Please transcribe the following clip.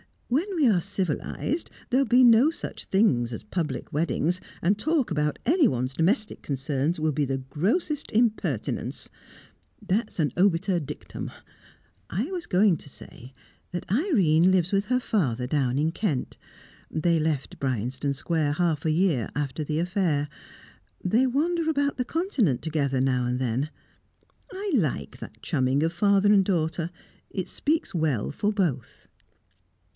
when we are civilised, there'll be no such things as public weddings, and talk about anyone's domestic concerns will be the grossest impertinence. That's an obiter dictum. I was going to say that Irene lives with her father down in Kent. They left Bryanston Square half a year after the affair. They wander about the Continent together, now and then. I like that chumming of father and daughter; it speaks well for both."